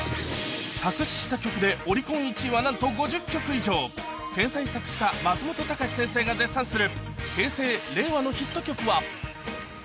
作詞した曲でオリコン１位はなんと５０曲以上天才作詞家松本隆先生が絶賛する